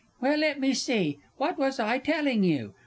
_) Well, let me see what was I telling you?